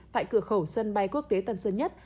tại cửa khẩu sân bay quốc tế tân sơn nhất